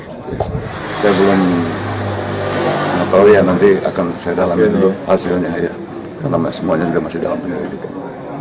saya juga tidak tahu ya nanti akan saya dalamin dulu hasilnya ya karena semuanya masih dalam penyelidikan